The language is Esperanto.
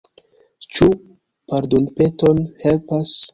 Ĉu pardonpeton helpas?